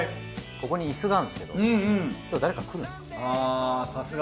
ここにイスがあるんですけど今日誰か来るんですか？